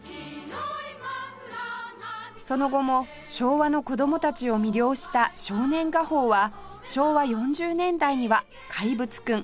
その後も昭和の子どもたちを魅了した『少年画報』は昭和４０年代には『怪物くん』